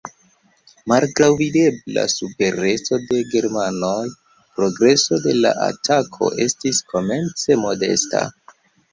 Malgraŭ videbla supereco de germanoj progreso de la atako estis komence modesta.